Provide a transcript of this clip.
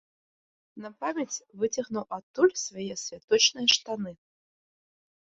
На памяць выцягнуў адтуль свае святочныя штаны.